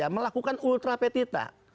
melakukan ultra petita